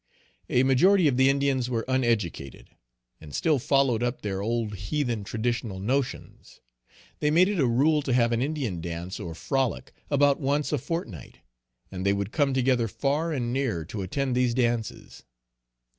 A majority of the Indians were uneducated, and still followed up their old heathen traditional notions. They made it a rule to have an Indian dance or frolic, about once a fortnight; and they would come together far and near to attend these dances.